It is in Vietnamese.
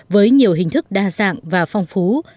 với nhiều hình thức đa dạng và phong phú